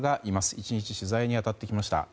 １日、取材に当たってきました。